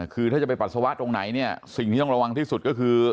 คือถ้าจะไปปัสสาวะตรงไหนเนี่ยสิ่งที่ต้องระวังที่สุดก็คือ